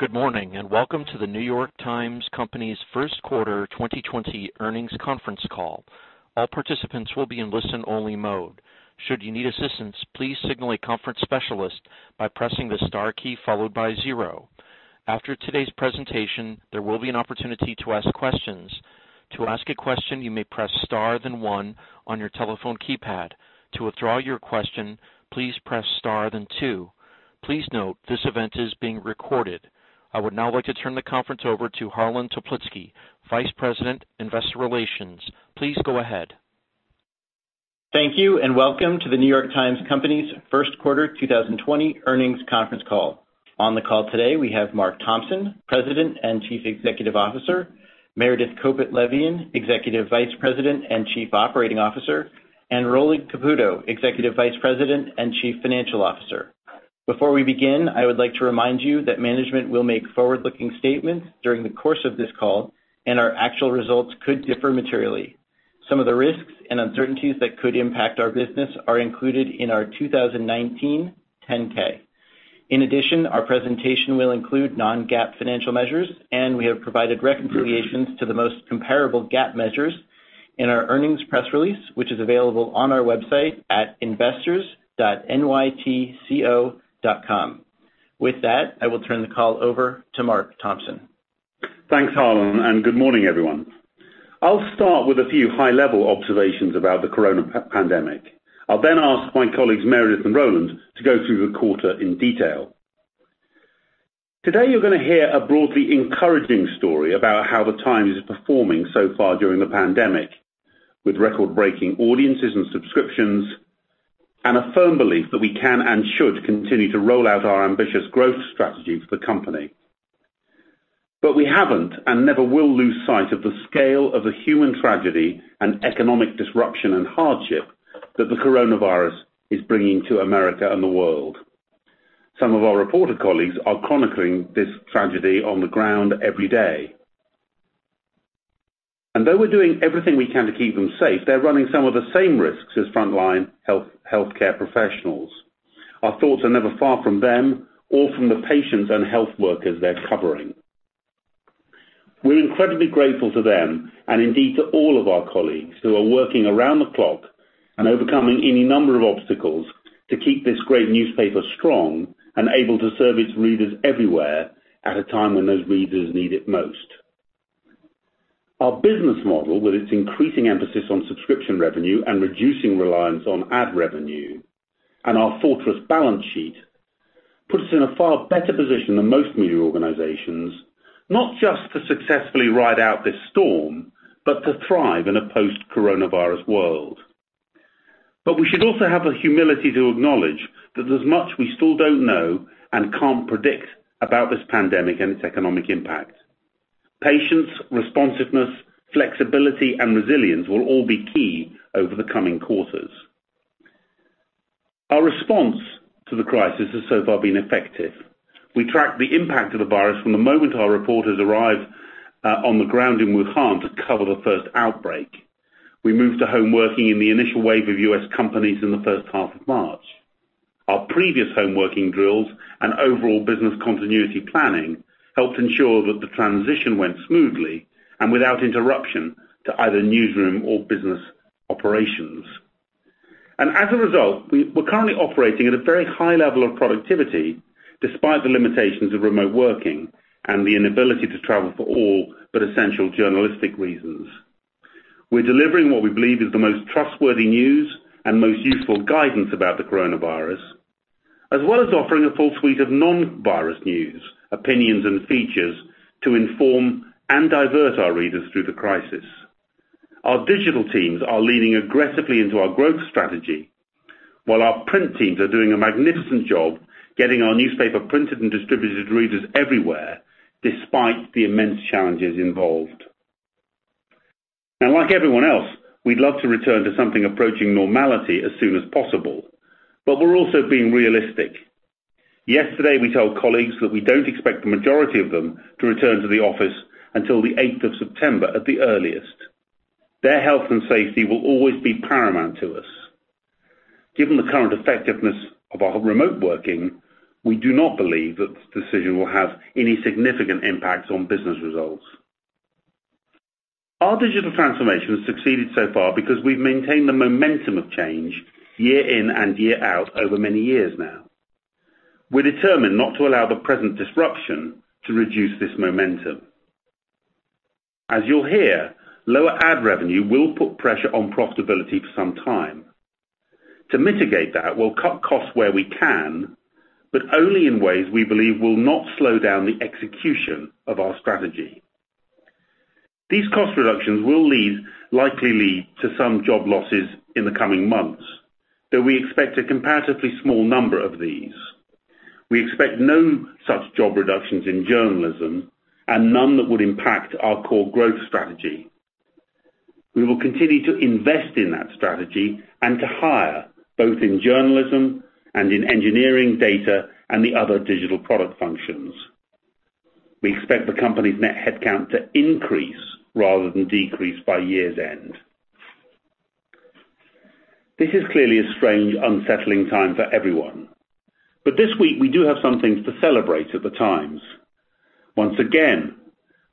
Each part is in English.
Good morning and welcome to The New York Times Company's first quarter 2020 earnings conference call. All participants will be in listen-only mode. Should you need assistance, please signal a conference specialist by pressing the star key followed by zero. After today's presentation, there will be an opportunity to ask questions. To ask a question, you may press star then one on your telephone keypad. To withdraw your question, please press star then two. Please note this event is being recorded. I would now like to turn the conference over to Harlan Toplitzky, Vice President, Investor Relations. Please go ahead. Thank you and welcome to The New York Times Company's first quarter 2020 earnings conference call. On the call today, we have Mark Thompson, President and Chief Executive Officer; Meredith Kopit Levien, Executive Vice President and Chief Operating Officer; and Roland Caputo, Executive Vice President and Chief Financial Officer. Before we begin, I would like to remind you that management will make forward-looking statements during the course of this call, and our actual results could differ materially. Some of the risks and uncertainties that could impact our business are included in our 2019 10-K. In addition, our presentation will include non-GAAP financial measures, and we have provided reconciliations to the most comparable GAAP measures in our earnings press release, which is available on our website at investors.nytco.com. With that, I will turn the call over to Mark Thompson. Thanks, Harlan, and good morning, everyone. I'll start with a few high-level observations about the Corona pandemic. I'll then ask my colleagues Meredith and Roland to go through the quarter in detail. Today, you're going to hear a broadly encouraging story about how The Times is performing so far during the pandemic, with record-breaking audiences and subscriptions, and a firm belief that we can and should continue to roll out our ambitious growth strategy for the company. But we haven't and never will lose sight of the scale of the human tragedy and economic disruption and hardship that the coronavirus is bringing to America and the world. Some of our reporter colleagues are chronicling this tragedy on the ground every day, and though we're doing everything we can to keep them safe, they're running some of the same risks as frontline healthcare professionals. Our thoughts are never far from them or from the patients and health workers they're covering. We're incredibly grateful to them, and indeed to all of our colleagues who are working around the clock and overcoming any number of obstacles to keep this great newspaper strong and able to serve its readers everywhere at a time when those readers need it most. Our business model, with its increasing emphasis on subscription revenue and reducing reliance on ad revenue and our fortress balance sheet, puts us in a far better position than most media organizations, not just to successfully ride out this storm, but to thrive in a post-coronavirus world. But we should also have the humility to acknowledge that there's much we still don't know and can't predict about this pandemic and its economic impact. Patience, responsiveness, flexibility, and resilience will all be key over the coming quarters. Our response to the crisis has so far been effective. We tracked the impact of the virus from the moment our reporters arrived on the ground in Wuhan to cover the first outbreak. We moved to home working in the initial wave of U.S. companies in the first half of March. Our previous home working drills and overall business continuity planning helped ensure that the transition went smoothly and without interruption to either newsroom or business operations, and as a result, we're currently operating at a very high level of productivity despite the limitations of remote working and the inability to travel for all but essential journalistic reasons. We're delivering what we believe is the most trustworthy news and most useful guidance about the coronavirus, as well as offering a full suite of non-virus news, opinions, and features to inform and divert our readers through the crisis. Our digital teams are leaning aggressively into our growth strategy, while our print teams are doing a magnificent job getting our newspaper printed and distributed to readers everywhere despite the immense challenges involved, and like everyone else, we'd love to return to something approaching normality as soon as possible, but we're also being realistic. Yesterday, we told colleagues that we don't expect the majority of them to return to the office until the 8th of September at the earliest. Their health and safety will always be paramount to us. Given the current effectiveness of our remote working, we do not believe that this decision will have any significant impact on business results. Our digital transformation has succeeded so far because we've maintained the momentum of change year in and year out over many years now. We're determined not to allow the present disruption to reduce this momentum. As you'll hear, lower ad revenue will put pressure on profitability for some time. To mitigate that, we'll cut costs where we can, but only in ways we believe will not slow down the execution of our strategy. These cost reductions will likely lead to some job losses in the coming months, though we expect a comparatively small number of these. We expect no such job reductions in journalism and none that would impact our core growth strategy. We will continue to invest in that strategy and to hire both in journalism and in engineering, data, and the other digital product functions. We expect the company's net headcount to increase rather than decrease by year's end. This is clearly a strange, unsettling time for everyone, but this week we do have some things to celebrate at The Times. Once again,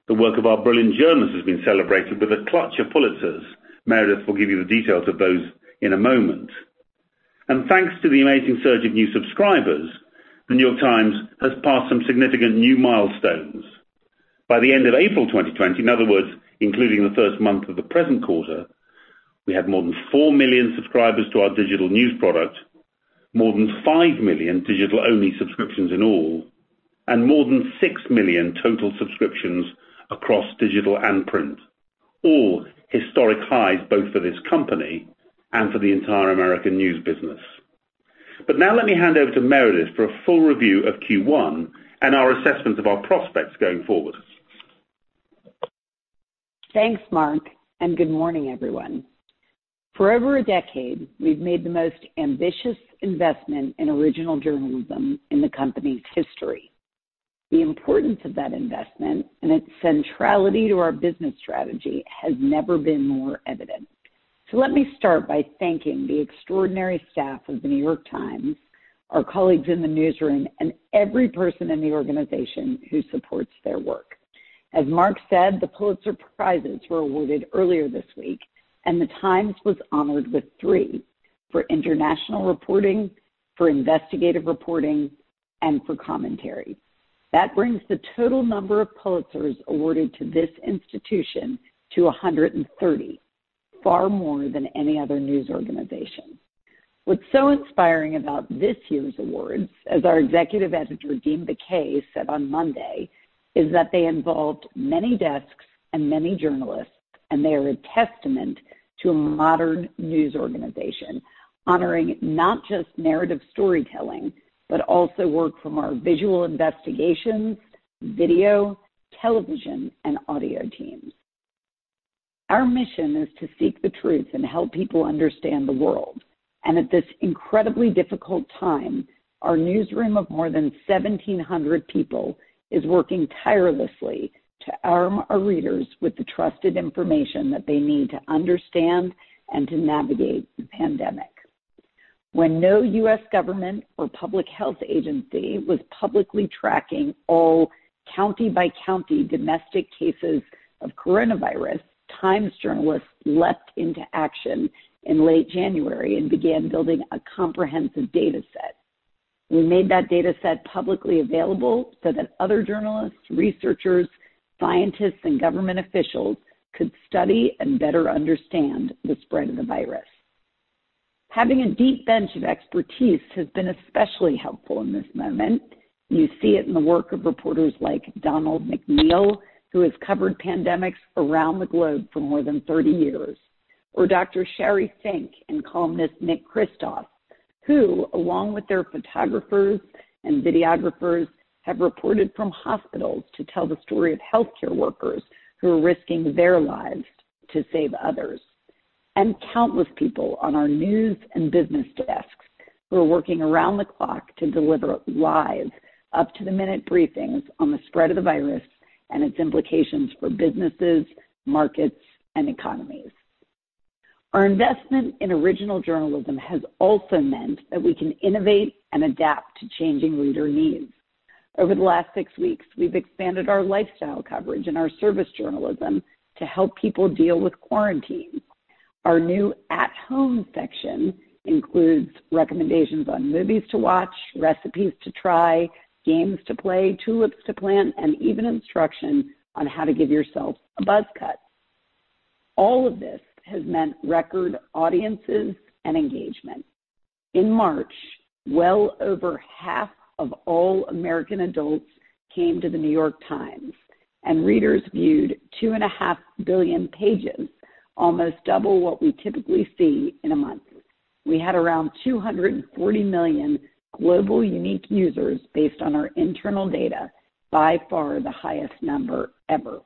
the work of our brilliant journalists has been celebrated with a clutch of Pulitzers. Meredith will give you the details of those in a moment. And thanks to the amazing surge of new subscribers, The New York Times has passed some significant new milestones. By the end of April 2020, in other words, including the first month of the present quarter, we had more than four million subscribers to our digital news product, more than five million digital-only subscriptions in all, and more than six million total subscriptions across digital and print, all historic highs both for this company and for the entire American news business. But now let me hand over to Meredith for a full review of Q1 and our assessment of our prospects going forward. Thanks, Mark, and good morning, everyone. For over a decade, we've made the most ambitious investment in original journalism in the company's history. The importance of that investment and its centrality to our business strategy has never been more evident. So let me start by thanking the extraordinary staff of The New York Times, our colleagues in the newsroom, and every person in the organization who supports their work. As Mark said, the Pulitzer Prizes were awarded earlier this week, and The Times was honored with three: for international reporting, for investigative reporting, and for commentary. That brings the total number of Pulitzers awarded to this institution to 130, far more than any other news organization. What's so inspiring about this year's awards, as our Executive Editor, Dean Baquet, said on Monday, is that they involved many desks and many journalists, and they are a testament to a modern news organization, honoring not just narrative storytelling but also work from our Visual Investigations, video, television, and audio teams. Our mission is to seek the truth and help people understand the world, and at this incredibly difficult time, our newsroom of more than 1,700 people is working tirelessly to arm our readers with the trusted information that they need to understand and to navigate the pandemic. When no U.S. government or public health agency was publicly tracking all county-by-county domestic cases of coronavirus, Times journalists leapt into action in late January and began building a comprehensive data set. We made that data set publicly available so that other journalists, researchers, scientists, and government officials could study and better understand the spread of the virus. Having a deep bench of expertise has been especially helpful in this moment. You see it in the work of reporters like Donald McNeil, who has covered pandemics around the globe for more than 30 years, or Dr. Sheri Fink and columnist Nick Kristof, who, along with their photographers and videographers, have reported from hospitals to tell the story of healthcare workers who are risking their lives to save others, and countless people on our news and business desks who are working around the clock to deliver live, up-to-the-minute briefings on the spread of the virus and its implications for businesses, markets, and economies. Our investment in original journalism has also meant that we can innovate and adapt to changing reader needs. Over the last six weeks, we've expanded our lifestyle coverage and our service journalism to help people deal with quarantine. Our new At Home section includes recommendations on movies to watch, recipes to try, games to play, tulips to plant, and even instruction on how to give yourself a buzz cut. All of this has meant record audiences and engagement. In March, well over half of all American adults came to The New York Times, and readers viewed two and a half billion pages, almost double what we typically see in a month. We had around 240 million global unique users based on our internal data, by far the highest number ever.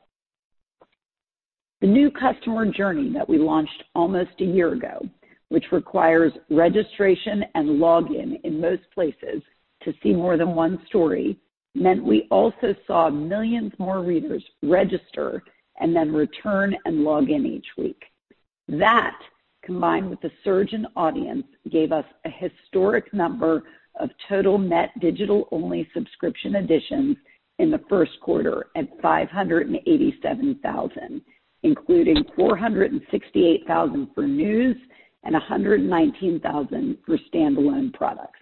The new customer journey that we launched almost a year ago, which requires registration and login in most places to see more than one story, meant we also saw millions more readers register and then return and log in each week. That, combined with the surge in audience, gave us a historic number of total net digital-only subscription additions in the first quarter at 587,000, including 468,000 for news and 119,000 for standalone products.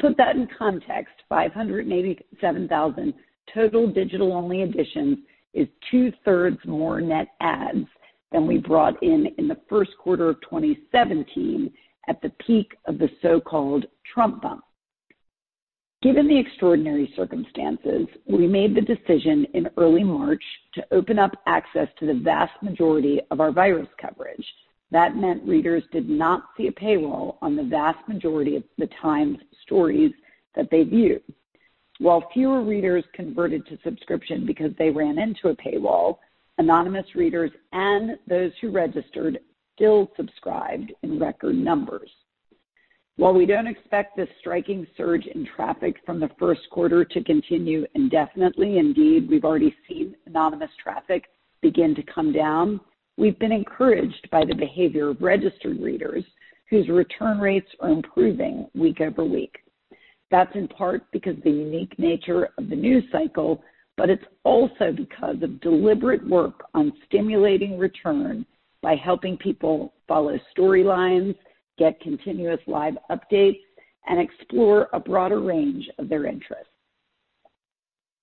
To put that in context, 587,000 total digital-only additions is two-thirds more net adds than we brought in in the first quarter of 2017 at the peak of the so-called Trump bump. Given the extraordinary circumstances, we made the decision in early March to open up access to the vast majority of our virus coverage. That meant readers did not see a paywall on the vast majority of The Times stories that they viewed. While fewer readers converted to subscription because they ran into a paywall, anonymous readers and those who registered still subscribed in record numbers. While we don't expect this striking surge in traffic from the first quarter to continue indefinitely, indeed we've already seen anonymous traffic begin to come down, we've been encouraged by the behavior of registered readers whose return rates are improving week over week. That's in part because of the unique nature of the news cycle, but it's also because of deliberate work on stimulating return by helping people follow storylines, get continuous live updates, and explore a broader range of their interests.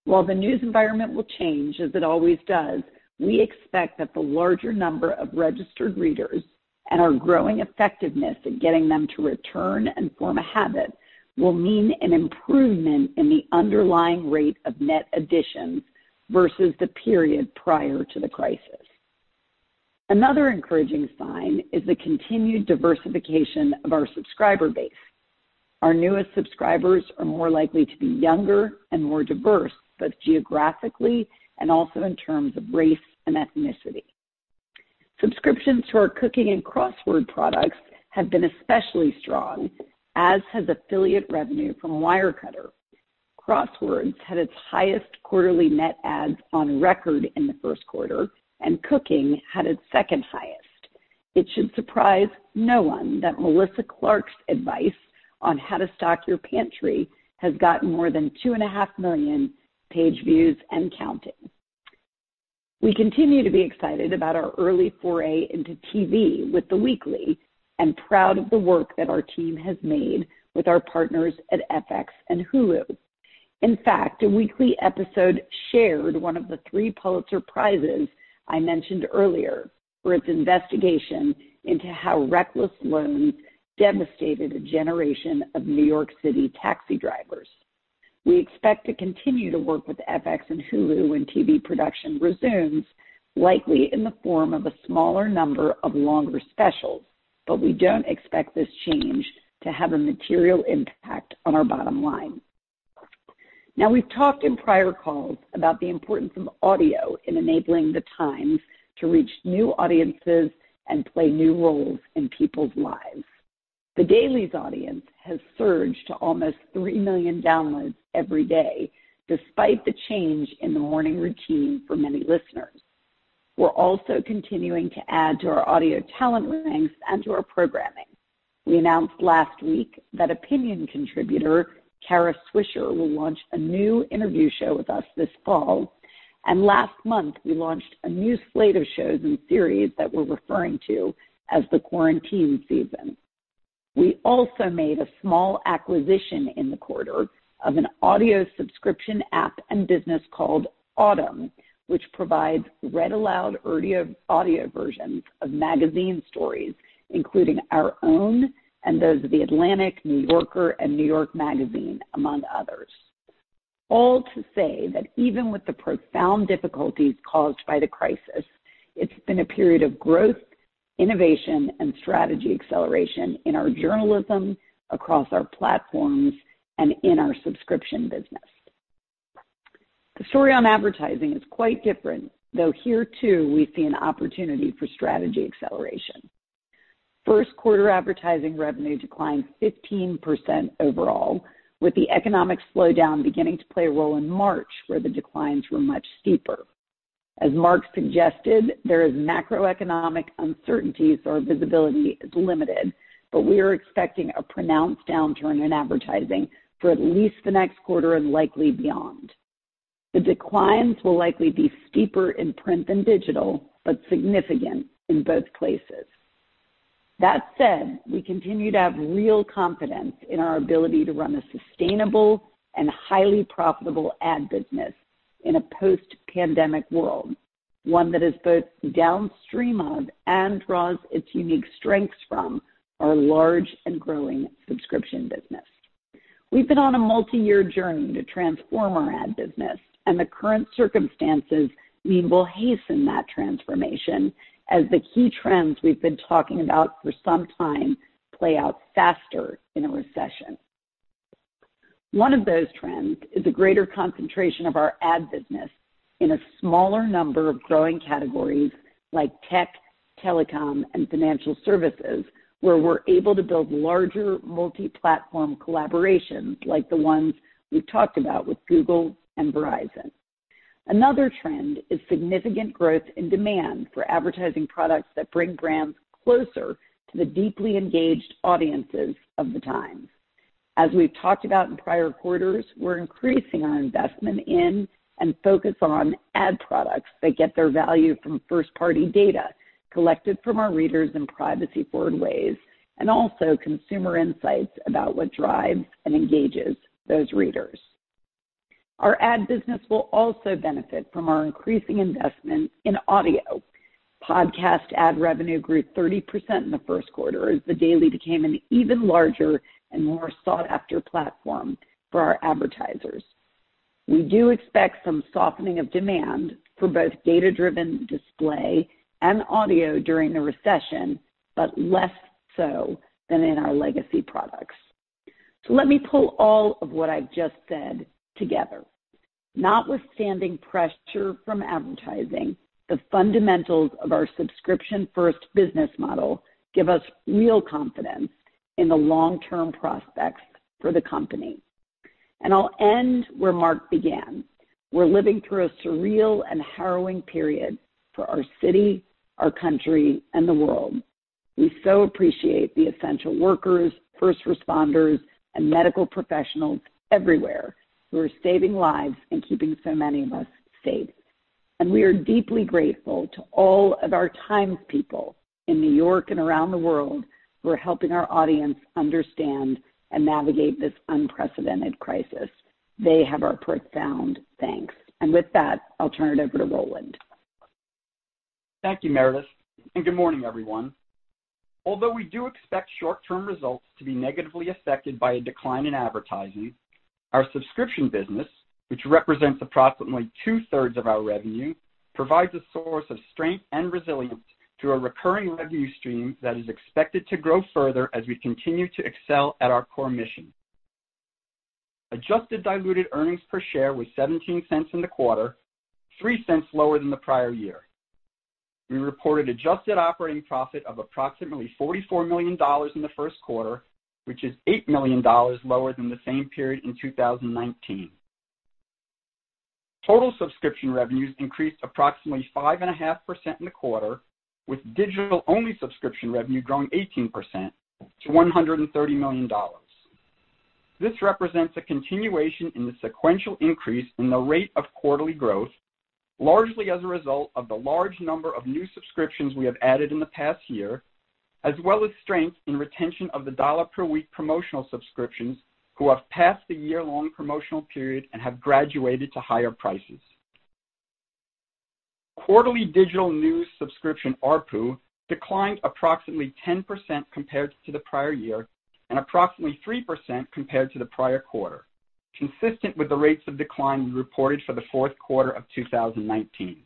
While the news environment will change, as it always does, we expect that the larger number of registered readers and our growing effectiveness in getting them to return and form a habit will mean an improvement in the underlying rate of net additions versus the period prior to the crisis. Another encouraging sign is the continued diversification of our subscriber base. Our newest subscribers are more likely to be younger and more diverse, both geographically and also in terms of race and ethnicity. Subscriptions to our Cooking and Crossword products have been especially strong, as has affiliate revenue from Wirecutter. Crosswords had its highest quarterly net adds on record in the first quarter, and Cooking had its second highest. It should surprise no one that Melissa Clark's advice on how to stock your pantry has gotten more than two and a half million page views and counting. We continue to be excited about our early foray into TV with The Weekly and proud of the work that our team has made with our partners at FX and Hulu. In fact, a Weekly episode shared one of the three Pulitzer Prizes I mentioned earlier for its investigation into how reckless loans devastated a generation of New York City taxi drivers. We expect to continue to work with FX and Hulu when TV production resumes, likely in the form of a smaller number of longer specials, but we don't expect this change to have a material impact on our bottom line. Now, we've talked in prior calls about the importance of audio in enabling The Times to reach new audiences and play new roles in people's lives. The Daily's audience has surged to almost 3 million downloads every day, despite the change in the morning routine for many listeners. We're also continuing to add to our audio talent ranks and to our programming. We announced last week that opinion contributor Kara Swisher will launch a new interview show with us this fall, and last month we launched a new slate of shows and series that we're referring to as the Quarantine Season. We also made a small acquisition in the quarter of an audio subscription app and business called Audm, which provides read-aloud audio versions of magazine stories, including our own and those of The Atlantic, New Yorker, and New York Magazine, among others. All to say that even with the profound difficulties caused by the crisis, it's been a period of growth, innovation, and strategy acceleration in our journalism across our platforms and in our subscription business. The story on advertising is quite different, though here too we see an opportunity for strategy acceleration. First quarter advertising revenue declined 15% overall, with the economic slowdown beginning to play a role in March where the declines were much steeper. As Mark suggested, there is macroeconomic uncertainty, so our visibility is limited, but we are expecting a pronounced downturn in advertising for at least the next quarter and likely beyond. The declines will likely be steeper in print than digital but significant in both places. That said, we continue to have real confidence in our ability to run a sustainable and highly profitable ad business in a post-pandemic world, one that is both downstream of and draws its unique strengths from our large and growing subscription business. We've been on a multi-year journey to transform our ad business, and the current circumstances mean we'll hasten that transformation as the key trends we've been talking about for some time play out faster in a recession. One of those trends is a greater concentration of our ad business in a smaller number of growing categories like tech, telecom, and financial services, where we're able to build larger multi-platform collaborations like the ones we've talked about with Google and Verizon. Another trend is significant growth in demand for advertising products that bring brands closer to the deeply engaged audiences of The Times. As we've talked about in prior quarters, we're increasing our investment in and focus on ad products that get their value from first-party data collected from our readers in privacy-forward ways and also consumer insights about what drives and engages those readers. Our ad business will also benefit from our increasing investment in audio. Podcast ad revenue grew 30% in the first quarter as The Daily became an even larger and more sought-after platform for our advertisers. We do expect some softening of demand for both data-driven display and audio during the recession, but less so than in our legacy products. So let me pull all of what I've just said together. Notwithstanding pressure from advertising, the fundamentals of our subscription-first business model give us real confidence in the long-term prospects for the company. And I'll end where Mark began. We're living through a surreal and harrowing period for our city, our country, and the world. We so appreciate the essential workers, first responders, and medical professionals everywhere who are saving lives and keeping so many of us safe. And we are deeply grateful to all of our Times people in New York and around the world who are helping our audience understand and navigate this unprecedented crisis. They have our profound thanks. And with that, I'll turn it over to Roland. Thank you, Meredith. Good morning, everyone. Although we do expect short-term results to be negatively affected by a decline in advertising, our subscription business, which represents approximately two-thirds of our revenue, provides a source of strength and resilience through a recurring revenue stream that is expected to grow further as we continue to excel at our core mission. Adjusted diluted earnings per share was $0.17 in the quarter, $0.03 lower than the prior year. We reported adjusted operating profit of approximately $44 million in the first quarter, which is $8 million lower than the same period in 2019. Total subscription revenues increased approximately 5.5% in the quarter, with digital-only subscription revenue growing 18% to $130 million. This represents a continuation in the sequential increase in the rate of quarterly growth, largely as a result of the large number of new subscriptions we have added in the past year, as well as strength in retention of the dollar-per-week promotional subscriptions who have passed the year-long promotional period and have graduated to higher prices. Quarterly digital news subscription ARPU declined approximately 10% compared to the prior year and approximately 3% compared to the prior quarter, consistent with the rates of decline we reported for the fourth quarter of 2019.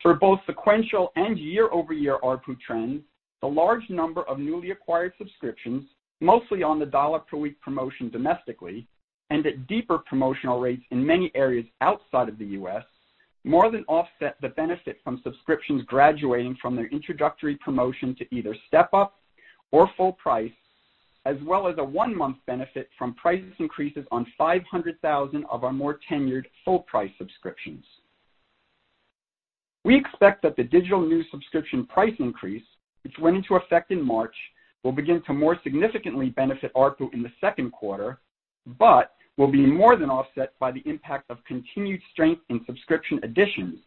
For both sequential and year-over-year ARPU trends, the large number of newly acquired subscriptions, mostly on the $1-per-week promotion domestically and at deeper promotional rates in many areas outside of the U.S., more than offset the benefit from subscriptions graduating from their introductory promotion to either step-up or full price, as well as a one-month benefit from price increases on 500,000 of our more tenured full-price subscriptions. We expect that the digital news subscription price increase, which went into effect in March, will begin to more significantly benefit ARPU in the second quarter, but will be more than offset by the impact of continued strength in subscription additions,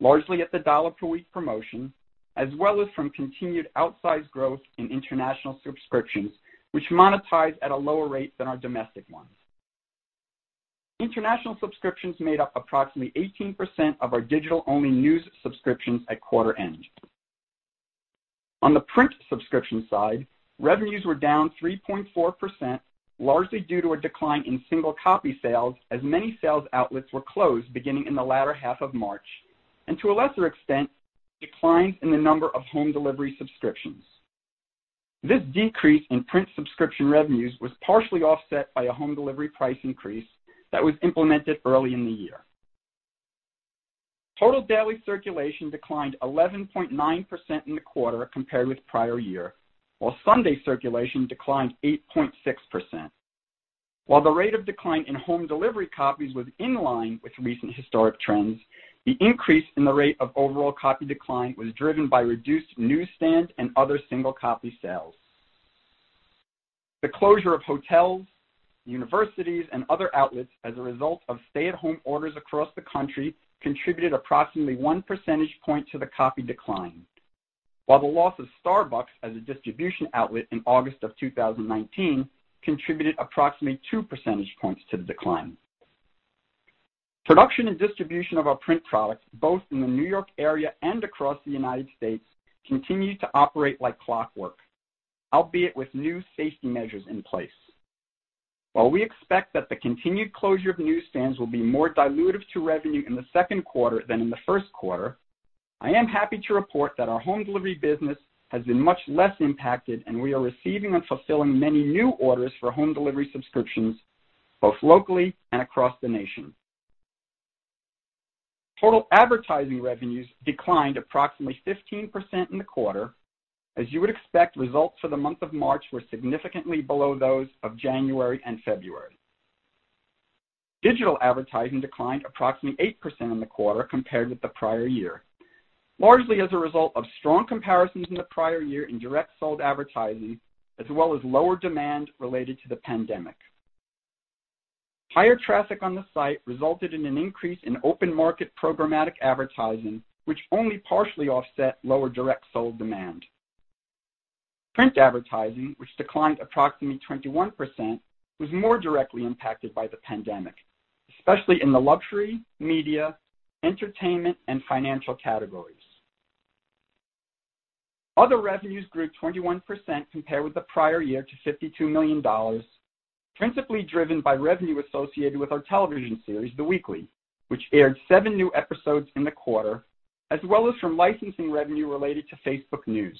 largely at the $1-per-week promotion, as well as from continued outsized growth in international subscriptions, which monetize at a lower rate than our domestic ones. International subscriptions made up approximately 18% of our digital-only news subscriptions at quarter end. On the print subscription side, revenues were down 3.4%, largely due to a decline in single-copy sales as many sales outlets were closed beginning in the latter half of March, and to a lesser extent, declines in the number of home delivery subscriptions. This decrease in print subscription revenues was partially offset by a home delivery price increase that was implemented early in the year. Total daily circulation declined 11.9% in the quarter compared with prior year, while Sunday circulation declined 8.6%. While the rate of decline in home delivery copies was in line with recent historic trends, the increase in the rate of overall copy decline was driven by reduced newsstand and other single-copy sales. The closure of hotels, universities, and other outlets as a result of stay-at-home orders across the country contributed approximately one percentage point to the copy decline, while the loss of Starbucks as a distribution outlet in August of 2019 contributed approximately two percentage points to the decline. Production and distribution of our print products, both in the New York area and across the United States, continued to operate like clockwork, albeit with new safety measures in place. While we expect that the continued closure of newsstands will be more dilutive to revenue in the second quarter than in the first quarter, I am happy to report that our home delivery business has been much less impacted, and we are receiving and fulfilling many new orders for home delivery subscriptions both locally and across the nation. Total advertising revenues declined approximately 15% in the quarter. As you would expect, results for the month of March were significantly below those of January and February. Digital advertising declined approximately 8% in the quarter compared with the prior year, largely as a result of strong comparisons in the prior year in direct-sold advertising, as well as lower demand related to the pandemic. Higher traffic on the site resulted in an increase in open-market programmatic advertising, which only partially offset lower direct-sold demand. Print advertising, which declined approximately 21%, was more directly impacted by the pandemic, especially in the luxury, media, entertainment, and financial categories. Other revenues grew 21% compared with the prior year to $52 million, principally driven by revenue associated with our television series, The Weekly, which aired seven new episodes in the quarter, as well as from licensing revenue related to Facebook News.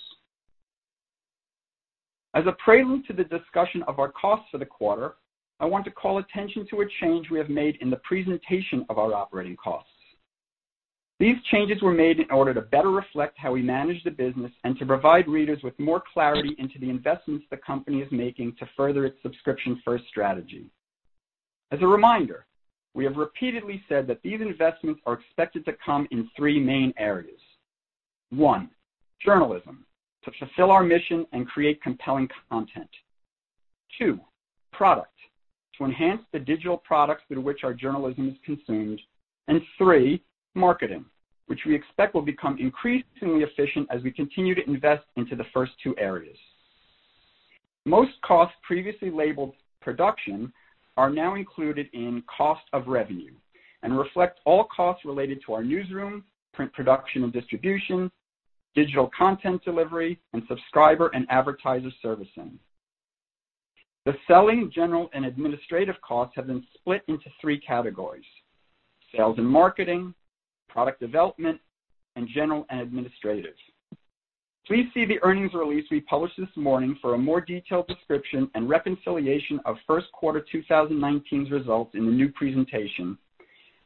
As a prelude to the discussion of our costs for the quarter, I want to call attention to a change we have made in the presentation of our operating costs. These changes were made in order to better reflect how we manage the business and to provide readers with more clarity into the investments the company is making to further its subscription-first strategy. As a reminder, we have repeatedly said that these investments are expected to come in three main areas. One, journalism, to fulfill our mission and create compelling content. Two, product, to enhance the digital products through which our journalism is consumed. And three, marketing, which we expect will become increasingly efficient as we continue to invest into the first two areas. Most costs previously labeled production are now included in Cost of Revenue and reflect all costs related to our newsroom, print production and distribution, digital content delivery, and subscriber and advertiser servicing. The selling, general, and administrative costs have been split into three categories: Sales and Marketing, Product Development, and General and Administrative. Please see the earnings release we published this morning for a more detailed description and reconciliation of first quarter 2019's results in the new presentation,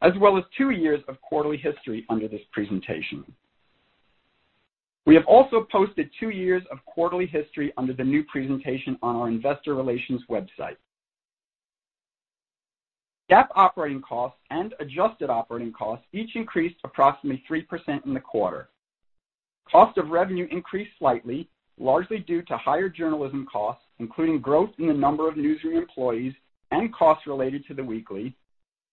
as well as two years of quarterly history under this presentation. We have also posted two years of quarterly history under the new presentation on our investor relations website. GAAP operating costs and adjusted operating costs each increased approximately 3% in the quarter. Cost of Revenue increased slightly, largely due to higher journalism costs, including growth in the number of newsroom employees and costs related to The Weekly,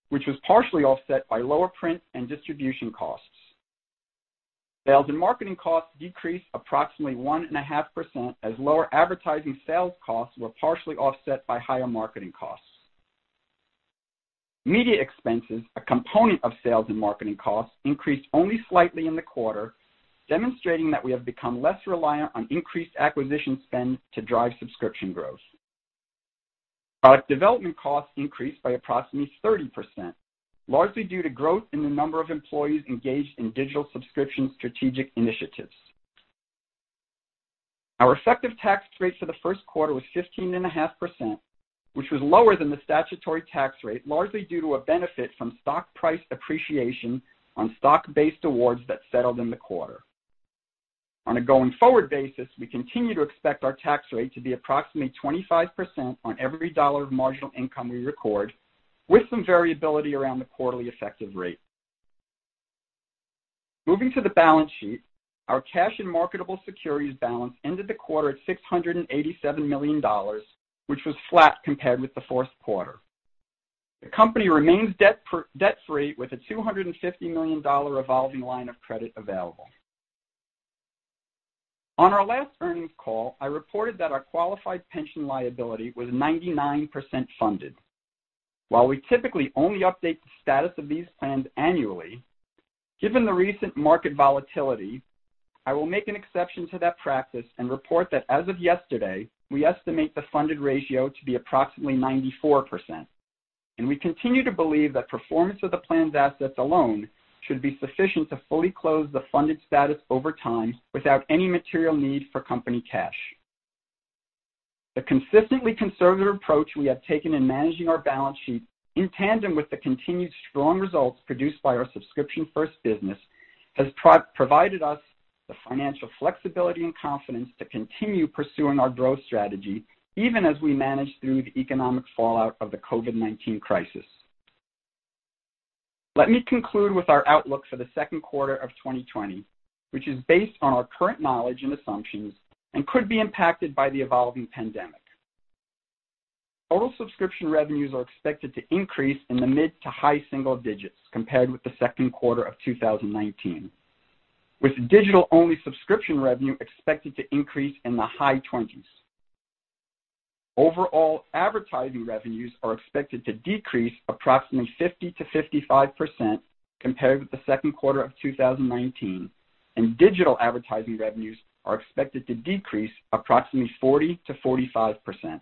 which was partially offset by lower print and distribution costs. Sales and Marketing costs decreased approximately 1.5% as lower advertising sales costs were partially offset by higher marketing costs. Media expenses, a component of Sales and Marketing costs, increased only slightly in the quarter, demonstrating that we have become less reliant on increased acquisition spend to drive subscription growth. Product Development costs increased by approximately 30%, largely due to growth in the number of employees engaged in digital subscription strategic initiatives. Our effective tax rate for the first quarter was 15.5%, which was lower than the statutory tax rate, largely due to a benefit from stock price appreciation on stock-based awards that settled in the quarter. On a going-forward basis, we continue to expect our tax rate to be approximately 25% on every dollar of marginal income we record, with some variability around the quarterly effective rate. Moving to the balance sheet, our cash and marketable securities balance ended the quarter at $687 million, which was flat compared with the fourth quarter. The company remains debt-free with a $250 million revolving line of credit available. On our last earnings call, I reported that our qualified pension liability was 99% funded. While we typically only update the status of these plans annually, given the recent market volatility, I will make an exception to that practice and report that as of yesterday, we estimate the funded ratio to be approximately 94%. We continue to believe that performance of the planned assets alone should be sufficient to fully close the funded status over time without any material need for company cash. The consistently conservative approach we have taken in managing our balance sheet, in tandem with the continued strong results produced by our subscription-first business, has provided us the financial flexibility and confidence to continue pursuing our growth strategy, even as we manage through the economic fallout of the COVID-19 crisis. Let me conclude with our outlook for the second quarter of 2020, which is based on our current knowledge and assumptions and could be impacted by the evolving pandemic. Total subscription revenues are expected to increase in the mid to high single digits compared with the second quarter of 2019, with digital-only subscription revenue expected to increase in the high 20s. Overall, advertising revenues are expected to decrease approximately 50%-55% compared with the second quarter of 2019, and digital advertising revenues are expected to decrease approximately 40%-45%.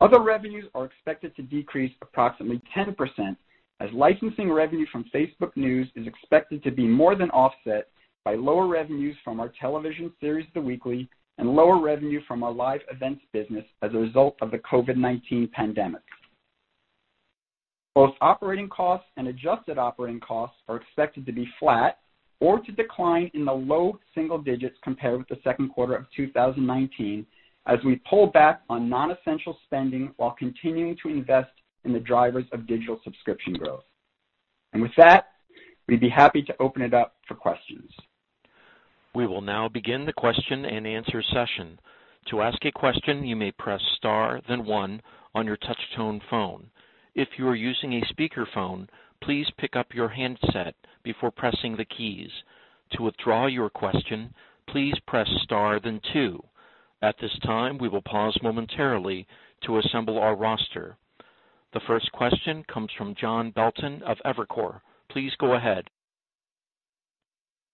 Other revenues are expected to decrease approximately 10%, as licensing revenue from Facebook News is expected to be more than offset by lower revenues from our television series, The Weekly, and lower revenue from our live events business as a result of the COVID-19 pandemic. Both operating costs and adjusted operating costs are expected to be flat or to decline in the low single digits compared with the second quarter of 2019, as we pull back on nonessential spending while continuing to invest in the drivers of digital subscription growth, and with that, we'd be happy to open it up for questions. We will now begin the question and answer session. To ask a question, you may press star, then one, on your touch-tone phone. If you are using a speakerphone, please pick up your handset before pressing the keys. To withdraw your question, please press star, then two. At this time, we will pause momentarily to assemble our roster. The first question comes from John Belton of Evercore. Please go ahead.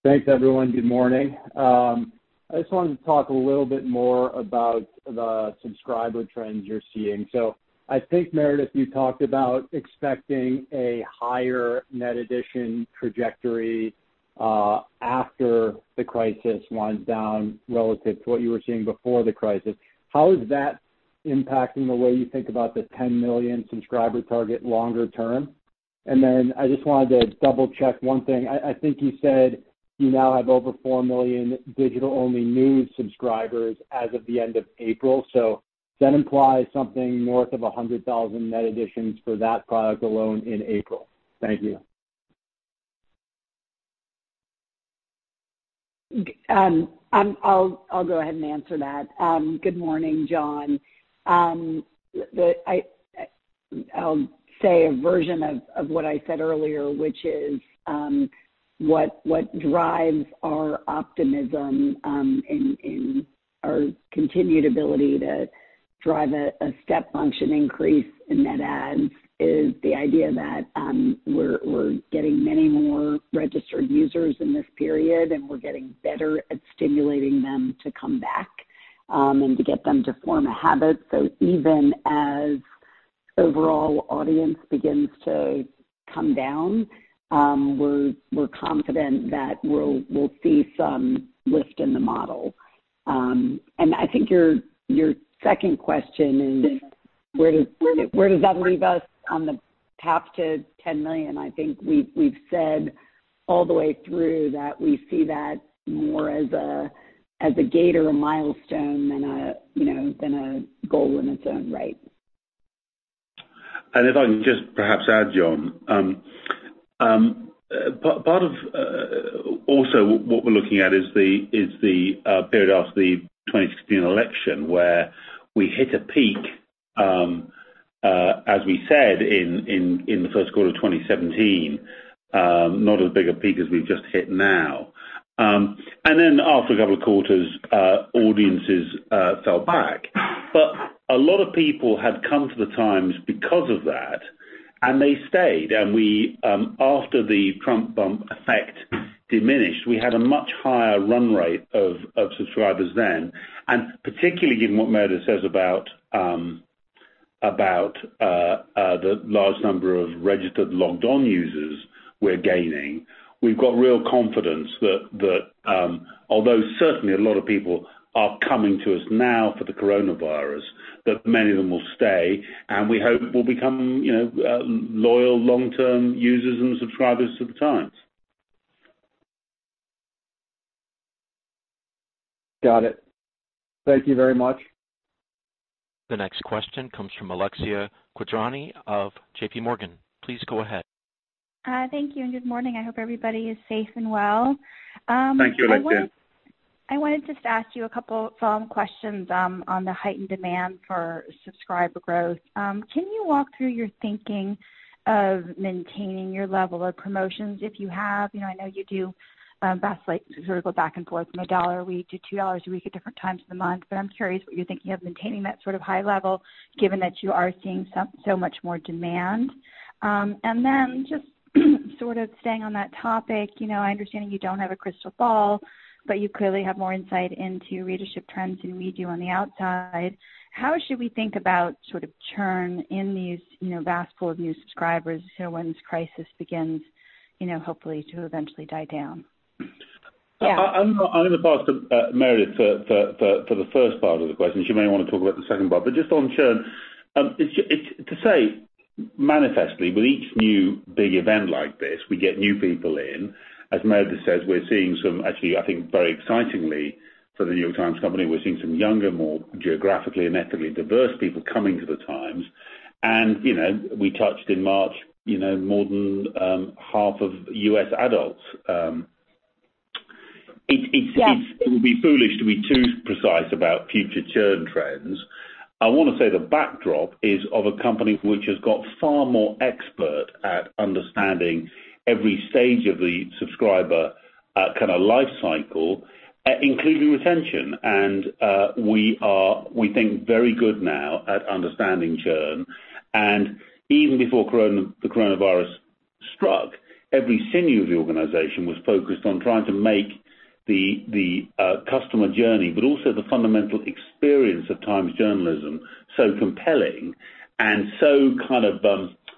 Thanks, everyone. Good morning. I just wanted to talk a little bit more about the subscriber trends you're seeing. So I think, Meredith, you talked about expecting a higher net addition trajectory after the crisis winds down relative to what you were seeing before the crisis. How is that impacting the way you think about the 10 million subscriber target longer term? And then I just wanted to double-check one thing. I think you said you now have over 4 million digital-only news subscribers as of the end of April. So that implies something north of 100,000 net additions for that product alone in April. Thank you. I'll go ahead and answer that. Good morning, John. I'll say a version of what I said earlier, which is what drives our optimism and our continued ability to drive a step function increase in net adds is the idea that we're getting many more registered users in this period, and we're getting better at stimulating them to come back and to get them to form a habit. So even as overall audience begins to come down, we're confident that we'll see some lift in the model. And I think your second question is, where does that leave us on the path to 10 million? I think we've said all the way through that we see that more as a gate or a milestone than a goal in its own right. And if I can just perhaps add, John, part of also what we're looking at is the period after the 2016 election where we hit a peak, as we said, in the first quarter of 2017, not as big a peak as we've just hit now. And then after a couple of quarters, audiences fell back. But a lot of people had come to The Times because of that, and they stayed. And after the Trump bump effect diminished, we had a much higher run rate of subscribers then. And particularly given what Meredith says about the large number of registered logged-on users we're gaining, we've got real confidence that although certainly a lot of people are coming to us now for the coronavirus, that many of them will stay, and we hope will become loyal long-term users and subscribers to The Times. Got it. Thank you very much. The next question comes from Alexia Quadrani of JPMorgan. Please go ahead. Thank you. And good morning. I hope everybody is safe and well. Thank you, Alexia. I wanted just to ask you a couple of follow-up questions on the heightened demand for subscriber growth. Can you walk through your thinking of maintaining your level of promotions if you have? I know you do sort of go back and forth from $1 a week to $2 a week at different times of the month, but I'm curious what you're thinking of maintaining that sort of high level given that you are seeing so much more demand. And then just sort of staying on that topic, I understand you don't have a crystal ball, but you clearly have more insight into readership trends than we do on the outside. How should we think about sort of churn in these vast pool of new subscribers when this crisis begins, hopefully, to eventually die down? I'm going to pass to Meredith for the first part of the question. She may want to talk about the second part. But just on churn, to say manifestly with each new big event like this, we get new people in. As Meredith says, we're seeing some, actually, I think very excitingly for The New York Times Company, we're seeing some younger, more geographically and ethnically diverse people coming to The Times, and we touched in March more than half of U.S. adults. It would be foolish to be too precise about future churn trends. I want to say the backdrop is of a company which has got far more expert at understanding every stage of the subscriber kind of life cycle, including retention, and we think very good now at understanding churn. Even before the coronavirus struck, every sinew of the organization was focused on trying to make the customer journey, but also the fundamental experience of Times journalism so compelling and so kind of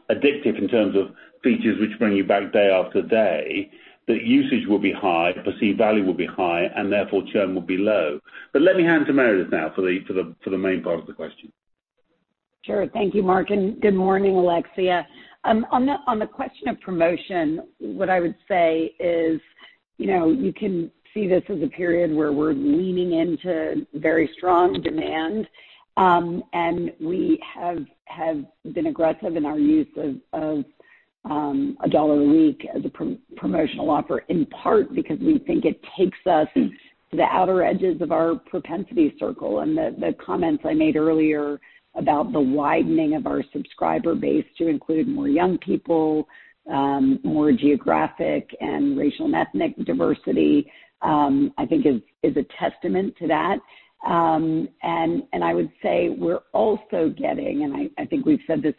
addictive in terms of features which bring you back day after day that usage will be high, perceived value will be high, and therefore churn will be low. But let me hand to Meredith now for the main part of the question. Sure. Thank you, Mark. And good morning, Alexia. On the question of promotion, what I would say is you can see this as a period where we're leaning into very strong demand, and we have been aggressive in our use of $1 a week as a promotional offer in part because we think it takes us to the outer edges of our propensity circle. And the comments I made earlier about the widening of our subscriber base to include more young people, more geographic and racial and ethnic diversity, I think is a testament to that. And I would say we're also getting, and I think we've said this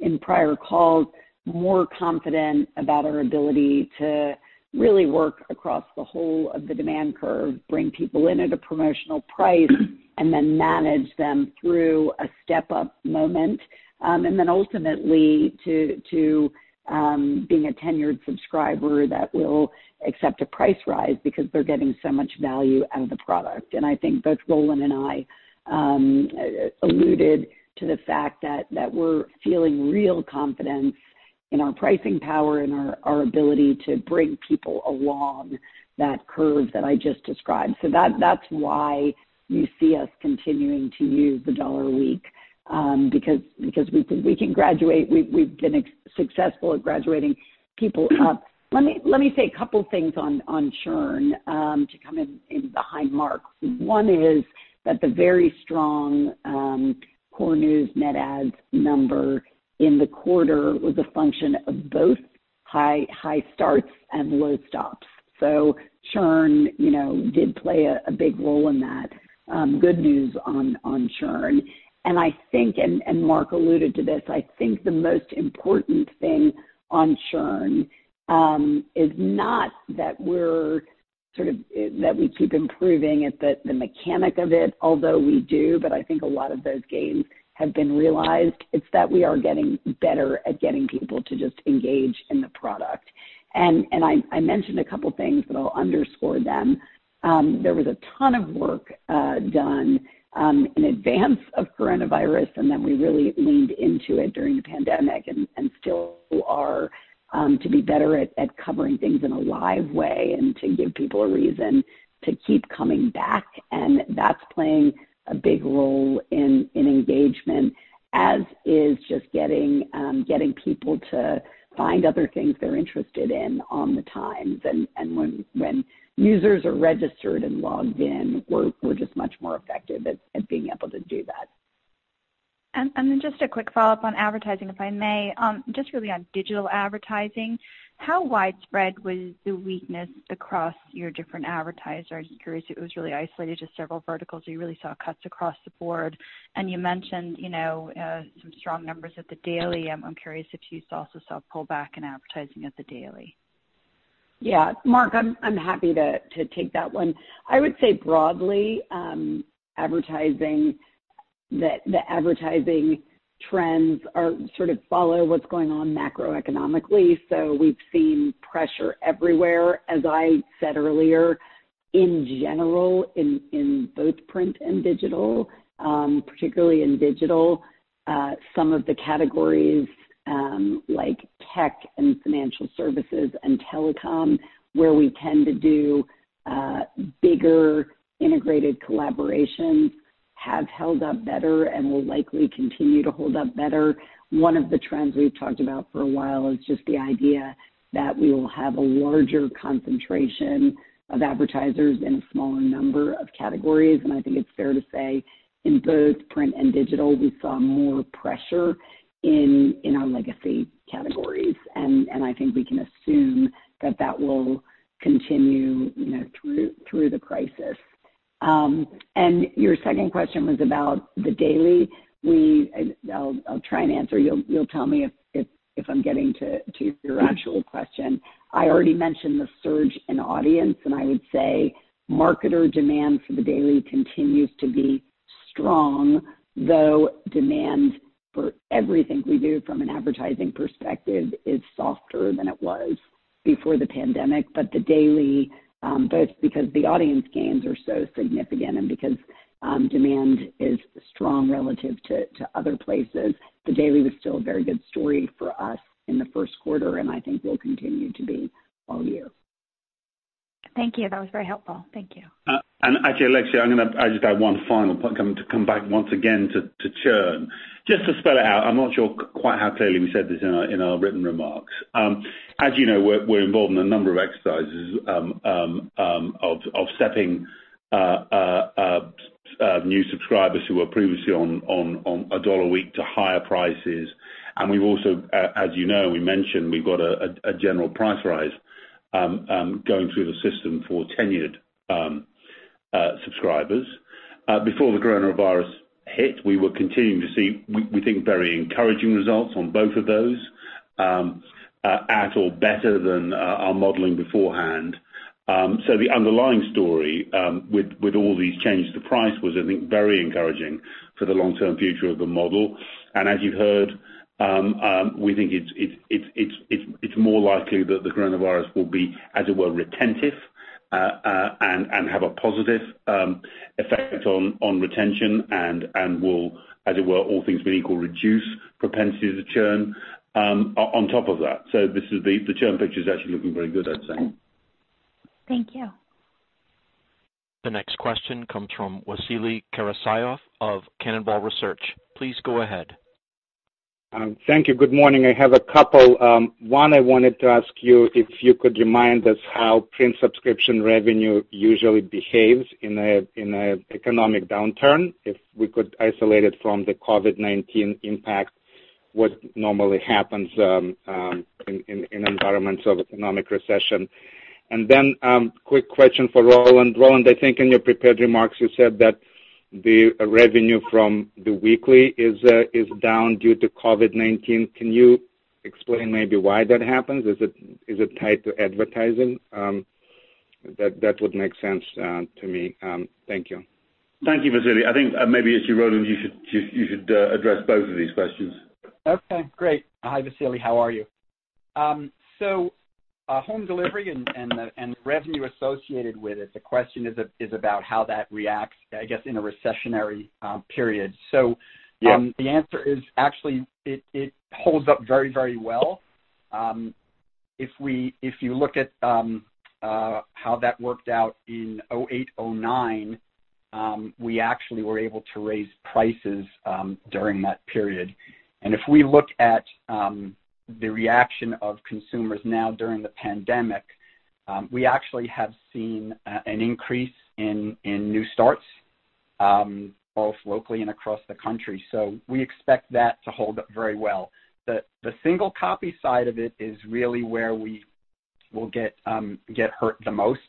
in prior calls, more confident about our ability to really work across the whole of the demand curve, bring people in at a promotional price, and then manage them through a step-up moment, and then ultimately to being a tenured subscriber that will accept a price rise because they're getting so much value out of the product. And I think both Roland and I alluded to the fact that we're feeling real confidence in our pricing power and our ability to bring people along that curve that I just described. So that's why you see us continuing to use the $1 a week because we think we can graduate. We've been successful at graduating people up. Let me say a couple of things on churn to come in behind Mark. One is that the very strong core news net adds number in the quarter was a function of both high starts and low stops. So churn did play a big role in that. Good news on churn. And Mark alluded to this. I think the most important thing on churn is not that we're sort of that we keep improving at the mechanics of it, although we do, but I think a lot of those gains have been realized. It's that we are getting better at getting people to just engage in the product, and I mentioned a couple of things, but I'll underscore them. There was a ton of work done in advance of coronavirus, and then we really leaned into it during the pandemic and still are to be better at covering things in a live way and to give people a reason to keep coming back. And that's playing a big role in engagement, as is just getting people to find other things they're interested in on The Times. And when users are registered and logged in, we're just much more effective at being able to do that. And then just a quick follow-up on advertising, if I may. Just really on digital advertising, how widespread was the weakness across your different advertisers? I'm curious if it was really isolated to several verticals or you really saw cuts across the board. And you mentioned some strong numbers at The Daily. I'm curious if you also saw pullback in advertising at The Daily? Yeah. Mark, I'm happy to take that one. I would say broadly, the advertising trends sort of follow what's going on macroeconomically. So we've seen pressure everywhere, as I said earlier, in general, in both print and digital, particularly in digital. Some of the categories like tech and financial services and telecom, where we tend to do bigger integrated collaborations, have held up better and will likely continue to hold up better. One of the trends we've talked about for a while is just the idea that we will have a larger concentration of advertisers in a smaller number of categories, and I think it's fair to say in both print and digital, we saw more pressure in our legacy categories, and I think we can assume that that will continue through the crisis, and your second question was about The Daily. I'll try and answer. You'll tell me if I'm getting to your actual question. I already mentioned the surge in audience, and I would say marketer demand for The Daily continues to be strong, though demand for everything we do from an advertising perspective is softer than it was before the pandemic. But The Daily, both because the audience gains are so significant and because demand is strong relative to other places, The Daily was still a very good story for us in the first quarter, and I think will continue to be all year. Thank you. That was very helpful. Thank you. And actually, Alexia, I just have one final point to come back once again to churn. Just to spell it out, I'm not sure quite how clearly we said this in our written remarks. As you know, we're involved in a number of exercises of stepping new subscribers who were previously on $1 a week to higher prices. We've also, as you know, mentioned we've got a general price rise going through the system for tenured subscribers. Before the coronavirus hit, we were continuing to see, we think, very encouraging results on both of those, at or better than our modeling beforehand. The underlying story with all these changes to price was, I think, very encouraging for the long-term future of the model. As you've heard, we think it's more likely that the coronavirus will be, as it were, retentive and have a positive effect on retention and will, as it were, all things being equal, reduce propensity to churn. On top of that, the churn picture is actually looking very good, I'd say. Thank you. The next question comes from Vasily Karasyov of Cannonball Research. Please go ahead. Thank you. Good morning. I have a couple. One, I wanted to ask you if you could remind us how print subscription revenue usually behaves in an economic downturn, if we could isolate it from the COVID-19 impact, what normally happens in environments of economic recession. And then quick question for Roland. Roland, I think in your prepared remarks, you said that the revenue from The Weekly is down due to COVID-19. Can you explain maybe why that happens? Is it tied to advertising? That would make sense to me. Thank you. Thank you, Vasily. I think maybe it's you, Roland, you should address both of these questions. Okay. Great. Hi, Vasily. How are you? So home delivery and revenue associated with it, the question is about how that reacts, I guess, in a recessionary period. So the answer is actually it holds up very, very well. If you look at how that worked out in 2008, 2009, we actually were able to raise prices during that period. And if we look at the reaction of consumers now during the pandemic, we actually have seen an increase in new starts both locally and across the country. So we expect that to hold up very well. The single copy side of it is really where we will get hurt the most